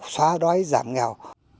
xóa đói giảm nghèo